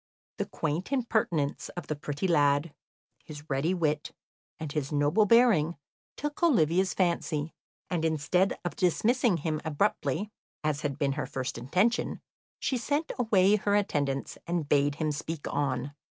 The quaint impertinence of the pretty lad, his ready wit, and his noble bearing, took Olivia's fancy, and, instead of dismissing him abruptly, as had been her first intention, she sent away her attendants and bade him speak on.